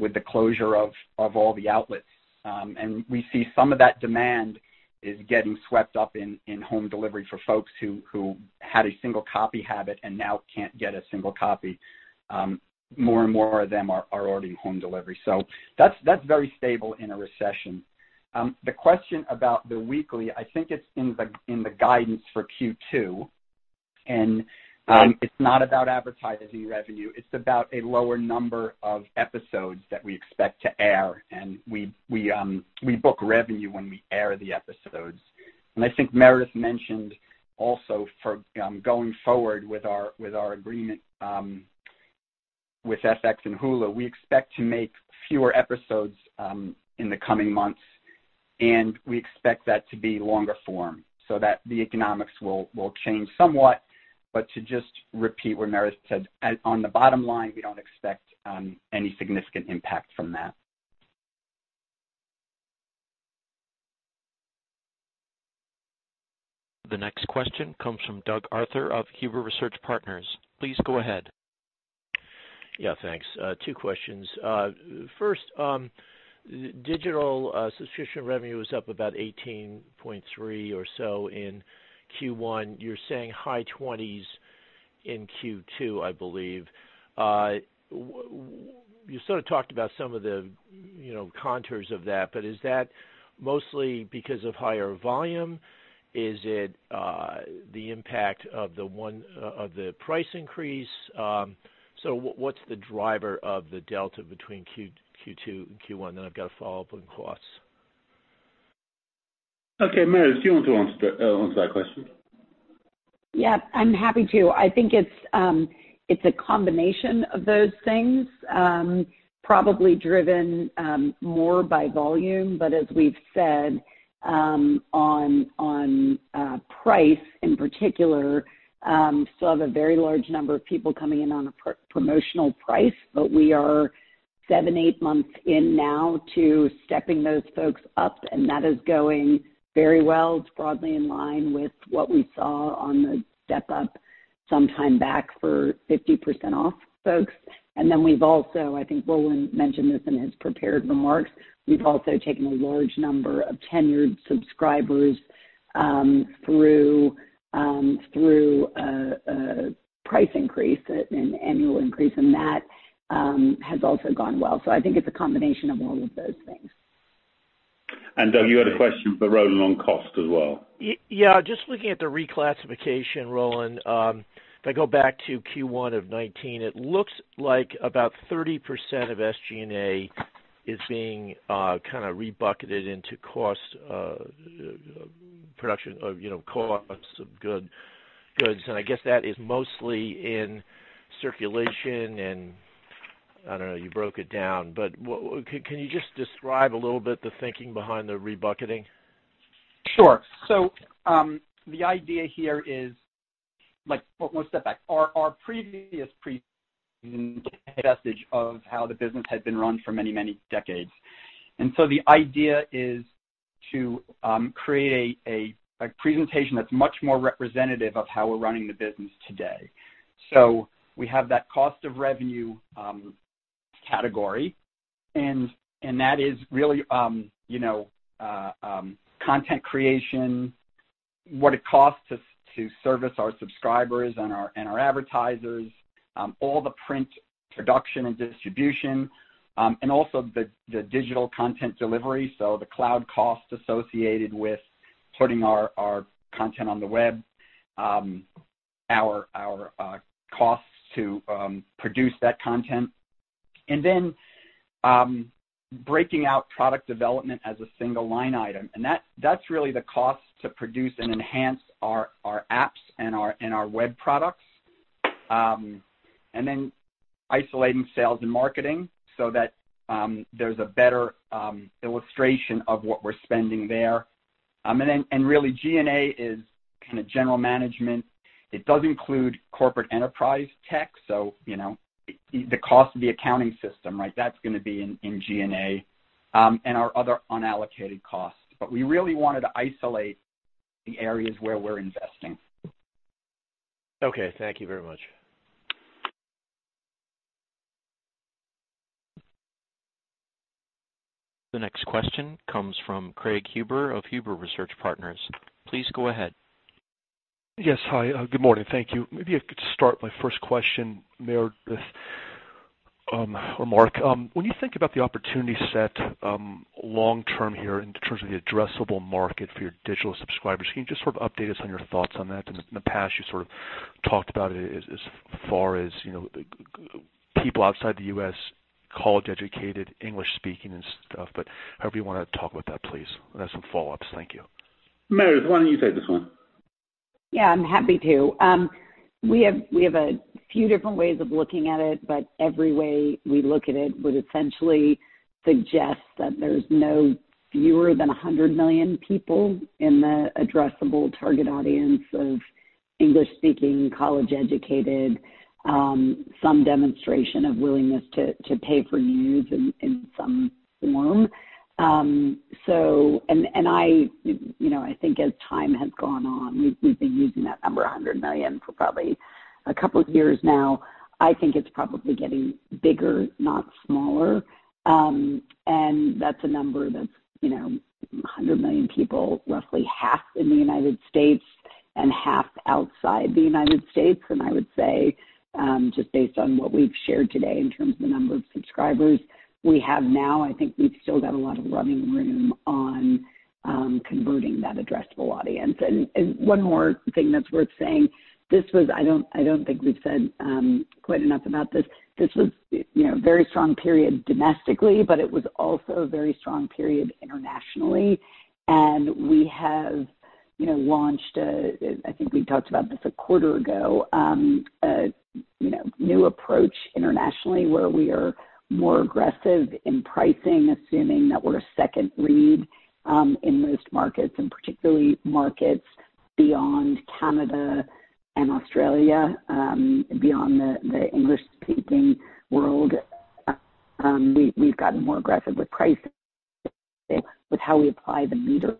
with the closure of all the outlets. And we see some of that demand is getting swept up in home delivery for folks who had a single copy habit and now can't get a single copy. More and more of them are ordering home delivery. So that's very stable in a recession. The question about The Weekly, I think it's in the guidance for Q2, and it's not about advertising revenue. It's about a lower number of episodes that we expect to air, and we book revenue when we air the episodes, and I think Meredith mentioned also for going forward with our agreement with FX and Hulu, we expect to make fewer episodes in the coming months, and we expect that to be longer form so that the economics will change somewhat, but to just repeat what Meredith said, on the bottom line, we don't expect any significant impact from that. The next question comes from Doug Arthur of Huber Research Partners. Please go ahead. Yeah, thanks. Two questions. First, digital subscription revenue was up about 18.3% or so in Q1. You're saying high 20s% in Q2, I believe. You sort of talked about some of the contours of that, but is that mostly because of higher volume? Is it the impact of the price increase? So what's the driver of the delta between Q2 and Q1? Then I've got a follow-up on costs. Okay. Meredith, do you want to answer that question? Yeah. I'm happy to. I think it's a combination of those things, probably driven more by volume. But as we've said on price in particular, still have a very large number of people coming in on a promotional price, but we are seven, eight months in now to stepping those folks up, and that is going very well. It's broadly in line with what we saw on the step-up sometime back for 50% off folks. And then we've also, I think Roland mentioned this in his prepared remarks, we've also taken a large number of tenured subscribers through price increase and annual increase, and that has also gone well. So I think it's a combination of all of those things. And Doug, you had a question for Roland on cost as well. Yeah. Just looking at the reclassification, Roland, if I go back to Q1 of 2019, it looks like about 30% of SG&A is being kind of rebucketed into cost production, costs of goods. And I guess that is mostly in circulation and I don't know, you broke it down, but can you just describe a little bit the thinking behind the rebucketing? Sure. So the idea here is, well, step back. Our previous presentation had a message of how the business had been run for many, many decades. And so the idea is to create a presentation that's much more representative of how we're running the business today. So we have that Cost of Revenue category, and that is really content creation, what it costs to service our subscribers and our advertisers, all the print production and distribution, and also the digital content delivery. So the cloud cost associated with putting our content on the web, our costs to produce that content, and then breaking out Product Development as a single line item. And that's really the cost to produce and enhance our apps and our web products, and then isolating Sales and Marketing so that there's a better illustration of what we're spending there. And really, G&A is kind of general management. It does include corporate enterprise tech. So the cost of the accounting system, right? That's going to be in G&A and our other unallocated costs. But we really wanted to isolate the areas where we're investing. Okay. Thank you very much. The next question comes from Craig Huber of Huber Research Partners. Please go ahead. Yes. Hi. Good morning. Thank you. Maybe I could start by first question, Meredith or Mark. When you think about the opportunity set long-term here in terms of the addressable market for your digital subscribers, can you just sort of update us on your thoughts on that? In the past, you sort of talked about it as far as people outside the U.S., college-educated, English-speaking and stuff, but however you want to talk about that, please. And that's some follow-ups. Thank you. Meredith, why don't you take this one? Yeah. I'm happy to. We have a few different ways of looking at it, but every way we look at it would essentially suggest that there's no fewer than 100 million people in the addressable target audience of English-speaking, college-educated, some demonstration of willingness to pay for news in some form. And I think as time has gone on, we've been using that number, 100 million, for probably a couple of years now. I think it's probably getting bigger, not smaller. And that's a number that's 100 million people, roughly half in the United States and half outside the United States. And I would say just based on what we've shared today in terms of the number of subscribers we have now, I think we've still got a lot of running room on converting that addressable audience. And one more thing that's worth saying, this was, I don't think we've said quite enough about this, this was a very strong period domestically, but it was also a very strong period internationally. And we have launched a, I think we talked about this a quarter ago, a new approach internationally where we are more aggressive in pricing, assuming that we're a second read in most markets, and particularly markets beyond Canada and Australia, beyond the English-speaking world. We've gotten more aggressive with pricing, with how we apply the meter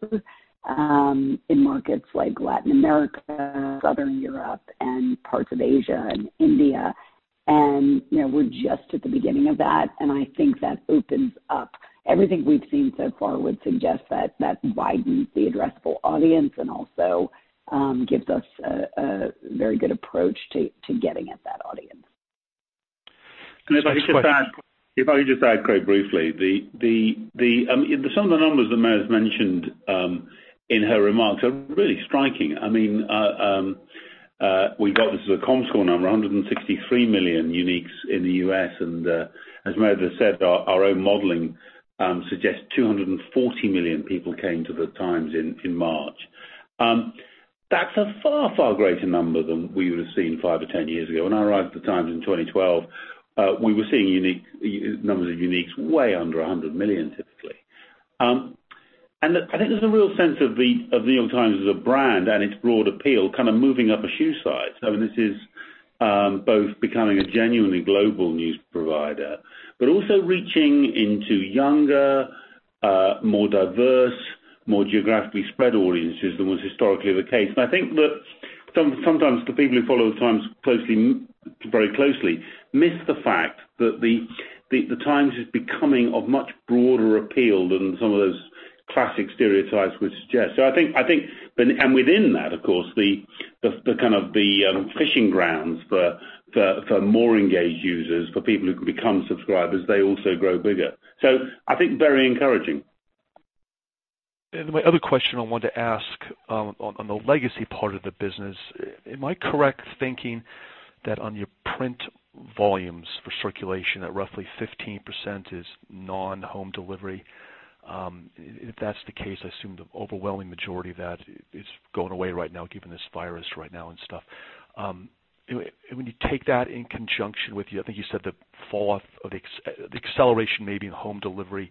in markets like Latin America, Southern Europe, and parts of Asia and India. And we're just at the beginning of that, and I think that opens up everything we've seen so far would suggest that that widens the addressable audience and also gives us a very good approach to getting at that audience. If I could just add quite briefly, some of the numbers that Meredith mentioned in her remarks are really striking. I mean, we've got this Comscore going on round, 163 million uniques in the U.S. As Meredith has said, our own modeling suggests 240 million people came to The Times in March. That's a far, far greater number than we would have seen five or 10 years ago. When I arrived at The Times in 2012, we were seeing numbers of uniques way under 100 million, typically. I think there's a real sense of The New York Times as a brand and its broad appeal kind of moving up a notch. I mean, this is both becoming a genuinely global news provider, but also reaching into younger, more diverse, more geographically spread audiences than was historically the case. I think that sometimes the people who follow The Times very closely miss the fact that The Times is becoming of much broader appeal than some of those classic stereotypes would suggest. So I think, and within that, of course, the kind of fishing grounds for more engaged users, for people who can become subscribers, they also grow bigger. So I think very encouraging. My other question I wanted to ask on the legacy part of the business, am I correct thinking that on your print volumes for circulation that roughly 15% is non-home delivery? If that's the case, I assume the overwhelming majority of that is going away right now, given this virus right now and stuff. And when you take that in conjunction with, I think you said the falloff of the acceleration maybe in home delivery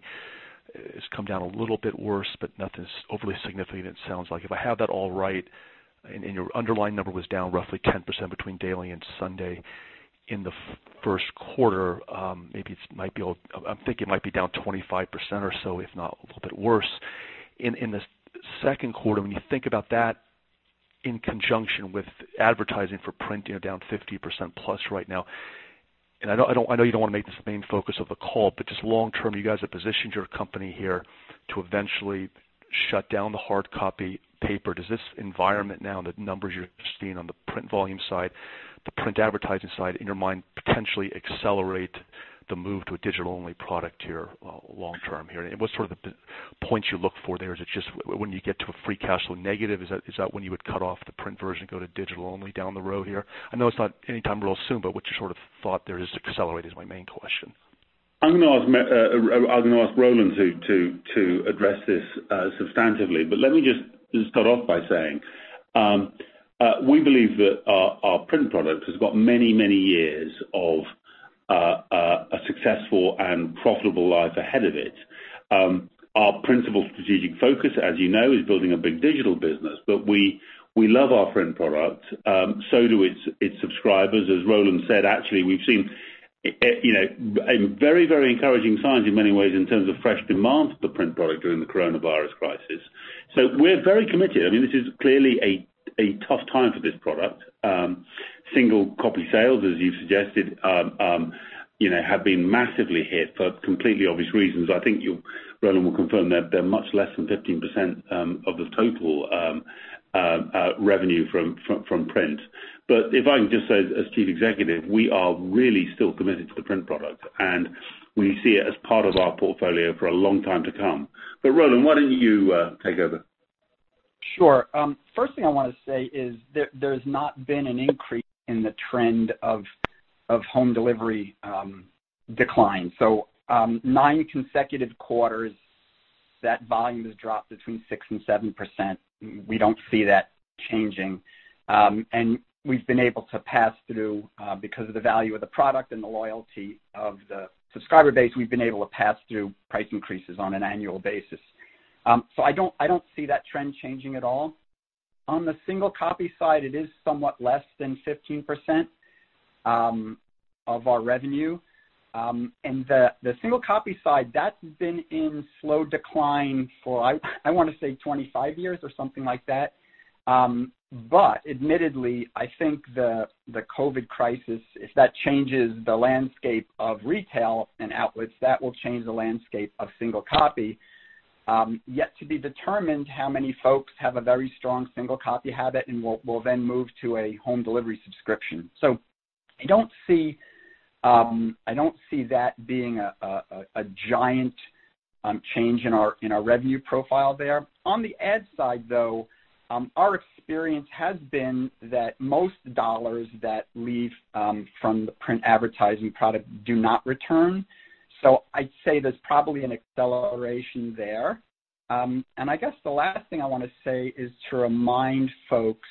has come down a little bit worse, but nothing's overly significant, it sounds like. If I have that all right, and your underlying number was down roughly 10% between daily and Sunday in the first quarter, maybe it might be, I'm thinking it might be down 25% or so, if not a little bit worse. In the second quarter, when you think about that in conjunction with advertising for print, you're down 50% plus right now. And I know you don't want to make this the main focus of the call, but just long-term, you guys have positioned your company here to eventually shut down the hard copy paper. Does this environment now, the numbers you're seeing on the print volume side, the print advertising side, in your mind, potentially accelerate the move to a digital-only product here long-term here? And what sort of points you look for there? Is it just when you get to a free cash flow negative? Is that when you would cut off the print version and go to digital-only down the road here? I know it's not anytime real soon, but what you sort of thought there is accelerated is my main question. I'm going to ask Roland to address this substantively but let me just start off by saying we believe that our print product has got many, many years of a successful and profitable life ahead of it. Our principal strategic focus, as you know, is building a big digital business, but we love our print product. So do its subscribers. As Roland said, actually, we've seen very, very encouraging signs in many ways in terms of fresh demand for the print product during the coronavirus crisis. So, we're very committed. I mean, this is clearly a tough time for this product. Single copy sales, as you've suggested, have been massively hit for completely obvious reasons. I think Roland will confirm that they're much less than 15% of the total revenue from print. But if I can just say, as Chief Executive, we are really still committed to the print product, and we see it as part of our portfolio for a long time to come. But Roland, why don't you take over? Sure. First thing I want to say is there's not been an increase in the trend of home delivery decline. So nine consecutive quarters, that volume has dropped between 6% and 7%. We don't see that changing. We've been able to pass through, because of the value of the product and the loyalty of the subscriber base, we've been able to pass through price increases on an annual basis. So I don't see that trend changing at all. On the single copy side, it is somewhat less than 15% of our revenue. And the single copy side, that's been in slow decline for, I want to say, 25 years or something like that. But admittedly, I think the COVID crisis, if that changes the landscape of retail and outlets, that will change the landscape of single copy. Yet to be determined how many folks have a very strong single copy habit and will then move to a home delivery subscription. So I don't see that being a giant change in our revenue profile there. On the ad side, though, our experience has been that most dollars that leave from the print advertising product do not return. So I'd say there's probably an acceleration there. And I guess the last thing I want to say is to remind folks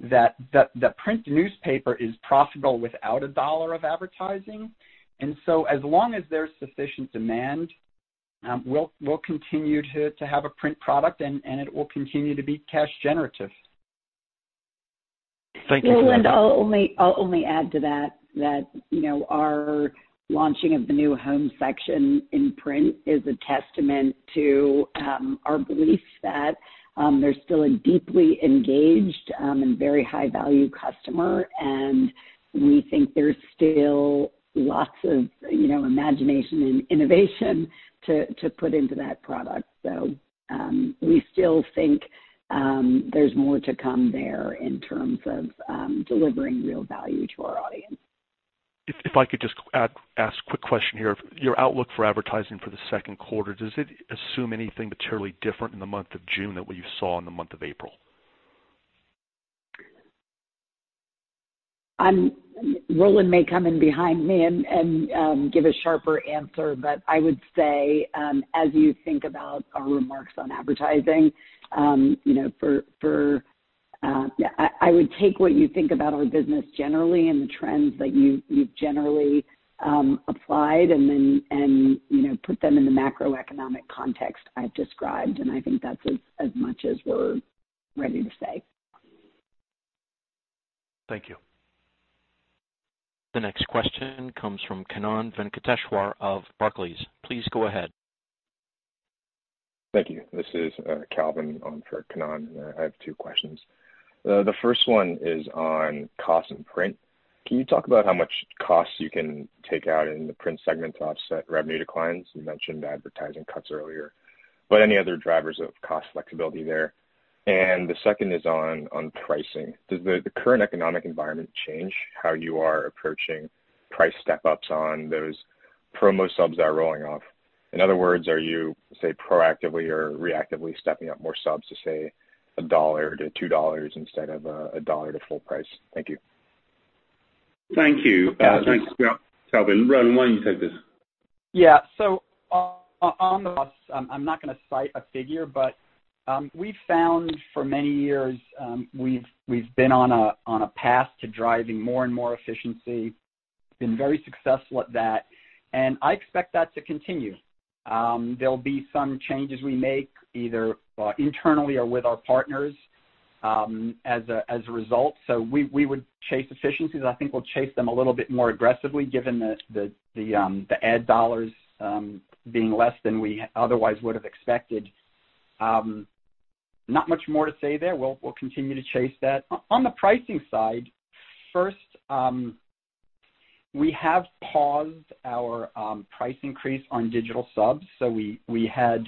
that the print newspaper is profitable without a dollar of advertising. And so as long as there's sufficient demand, we'll continue to have a print product, and it will continue to be cash generative. Thank you for that. And Roland, I'll only add to that that our launching of the new Home section in print is a testament to our belief that there's still a deeply engaged and very high-value customer, and we think there's still lots of imagination and innovation to put into that product. So we still think there's more to come there in terms of delivering real value to our audience. If I could just ask a quick question here. Your outlook for advertising for the second quarter, does it assume anything materially different in the month of June than what you saw in the month of April? Roland may come in behind me and give a sharper answer, but I would say, as you think about our remarks on advertising, I would take what you think about our business generally and the trends that you've generally applied and then put them in the macroeconomic context I've described. And I think that's as much as we're ready to say. Thank you. The next question comes from Kannan Venkateshwar of Barclays. Please go ahead. Thank you. This is Calvin for Kannan. I have two questions. The first one is on cost and print. Can you talk about how much cost you can take out in the print segment to offset revenue declines? You mentioned advertising cuts earlier, but any other drivers of cost flexibility there? And the second is on pricing. Does the current economic environment change how you are approaching price step-ups on those promo subs that are rolling off? In other words, are you, say, proactively or reactively stepping up more subs to, say, $1-$2 instead of $1 to full price? Thank you. Thank you. Thanks, Calvin. Roland, why don't you take this? Yeah. So on the cost, I'm not going to cite a figure, but we've found for many years we've been on a path to driving more and more efficiency. We've been very successful at that, and I expect that to continue. There'll be some changes we make either internally or with our partners as a result. So we would chase efficiencies. I think we'll chase them a little bit more aggressively, given the ad dollars being less than we otherwise would have expected. Not much more to say there. We'll continue to chase that. On the pricing side, first, we have paused our price increase on digital subs. So we had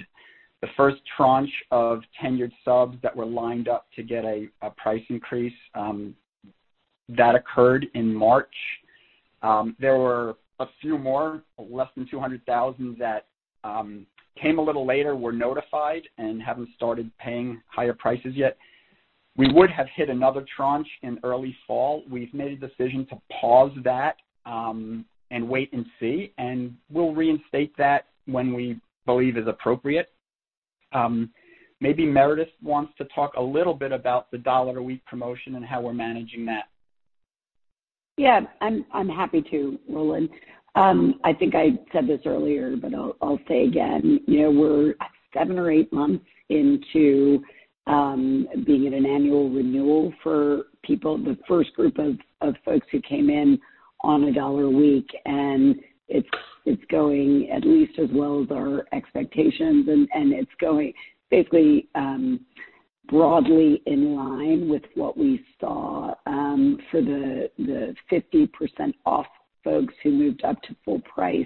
the first tranche of tenured subs that were lined up to get a price increase. That occurred in March. There were a few more, less than 200,000, that came a little later, were notified, and haven't started paying higher prices yet. We would have hit another tranche in early fall. We've made a decision to pause that and wait and see, and we'll reinstate that when we believe is appropriate. Maybe Meredith wants to talk a little bit about the dollar-a-week promotion and how we're managing that. Yeah. I'm happy to, Roland. I think I said this earlier, but I'll say again. We're seven or eight months into being at an annual renewal for people, the first group of folks who came in on a $1-a-week, and it's going at least as well as our expectations, and it's going basically broadly in line with what we saw for the 50% off folks who moved up to full price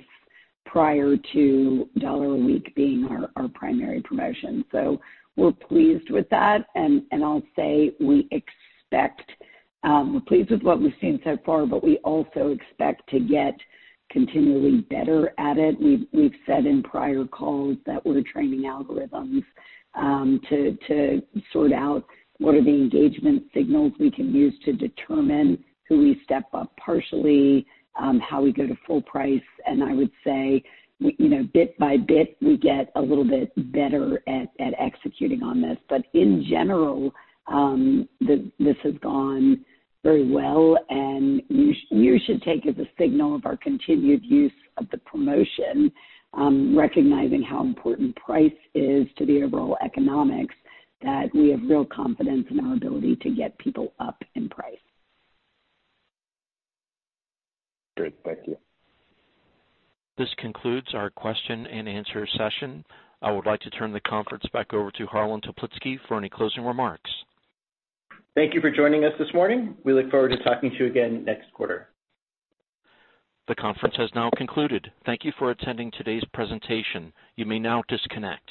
prior to $1-a-week being our primary promotion. So we're pleased with that, and I'll say we expect we're pleased with what we've seen so far, but we also expect to get continually better at it. We've said in prior calls that we're training algorithms to sort out what are the engagement signals we can use to determine who we step up partially, how we go to full price. And I would say, bit by bit, we get a little bit better at executing on this. But in general, this has gone very well, and you should take it as a signal of our continued use of the promotion, recognizing how important price is to the overall economics, that we have real confidence in our ability to get people up in price. Good. Thank you. This concludes our question-and-answer session. I would like to turn the conference back over to Harlan Toplitzky for any closing remarks. Thank you for joining us this morning. We look forward to talking to you again next quarter. The conference has now concluded. Thank you for attending today's presentation. You may now disconnect.